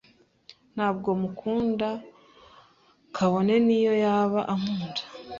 Ntabwo mukunda, kabone niyo yaba ankunda.